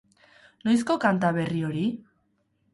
Noizko kanta berri hori?